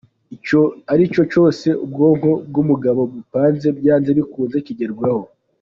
Icyo aricyo cyose ubwonko bw’umugabo bupanze, byanze bikunze kigerwaho.